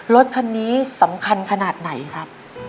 รถคันนี้สำคัญขนาดไหนครับ